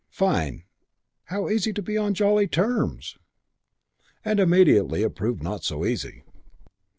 Fine! How easy to be on jolly terms! And immediately it proved not so easy.